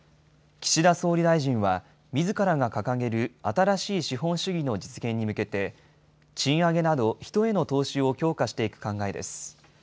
岸田総理大臣は、みずからが掲げる新しい資本主義の実現に向けて、賃上げなど人への投資を強化していく考えです。